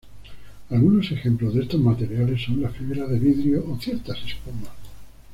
Algunos ejemplos de estos materiales son la fibra de vidrio o ciertas espumas.